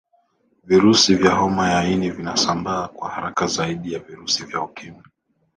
virusi vya homa ya ini vinasambaa kwa haraza zaidi ya virusi vya ukimwi